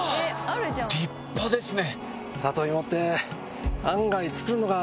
立派ですね！